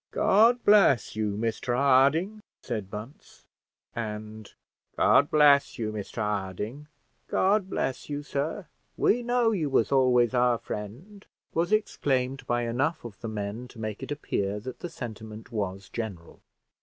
"God bless you, Mr Harding," said Bunce; and "God bless you, Mr Harding, God bless you, sir: we know you was always our friend," was exclaimed by enough of the men to make it appear that the sentiment was general.